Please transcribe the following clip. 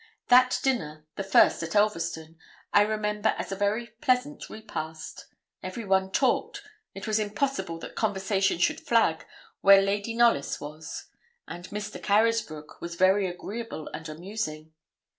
That dinner, the first at Elverston, I remember as a very pleasant repast. Everyone talked it was impossible that conversation should flag where Lady Knollys was; and Mr. Carysbroke was very agreeable and amusing.